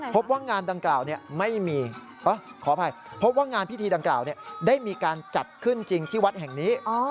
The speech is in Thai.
พบว่างานพิธีดังกล่าวได้มีการจัดขึ้นจริงที่วัดแห่งนี้